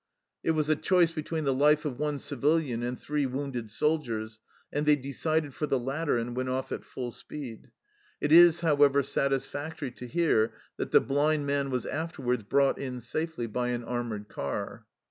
It was a choice between the life of one civilian and three wounded soldiers, and they decided for the latter, and went off at full speed. It is, however, satisfactory to hear that the blind man was after wards brought in safely by an armoured car.